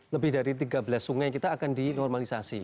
lebih dari tiga belas sungai kita akan dinormalisasi